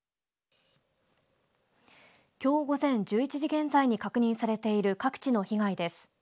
きょう午前１１時現在に確認されている各地の被害です。